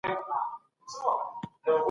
تېروتنې باید ومنل شي.